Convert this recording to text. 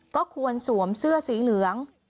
ก็ควรสวมเสื้อสีเหลือง